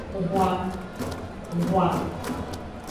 Hwan.